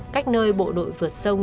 cách nơi bộ đội vượt sông